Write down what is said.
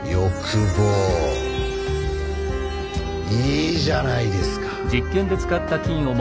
いいじゃないですか。